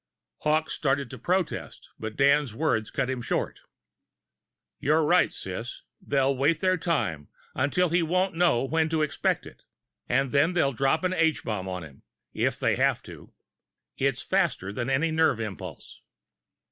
Hawkes started to protest, but Dan's words cut him short. "You're right, Sis. They'll wait their time, until he won't know when to expect it and then they'll drop an H bomb on him, if they have to. That's faster than any nerve impulse!"